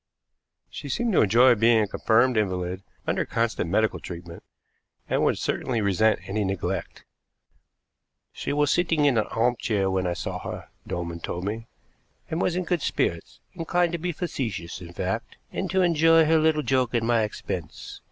She seemed to enjoy being a confirmed invalid under constant medical treatment, and would certainly resent any neglect. "She was sitting in an arm chair when I saw her," Dolman told me, "and was in good spirits; inclined to be facetious, in fact, and to enjoy her little joke at my expense.